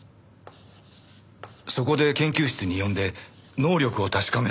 そこで研究室に呼んで能力を確かめると。